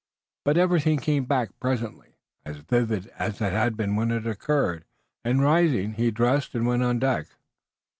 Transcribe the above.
But everything came back presently, as vivid as it had been when it occurred, and rising he dressed and went on deck.